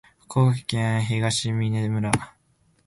福岡県東峰村